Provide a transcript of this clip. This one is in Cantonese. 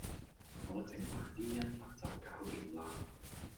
我整埋呢一忽就掂晒喇